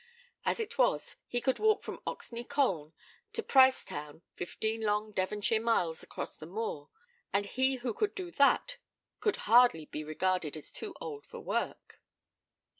As it was, he could walk from Oxney Colne to Priestown, fifteen long Devonshire miles across the moor; and he who could do that could hardly be regarded as too old for work.